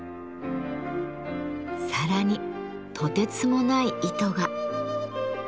さらにとてつもない糸が。